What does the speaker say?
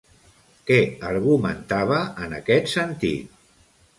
Què argumentava, en aquest sentit?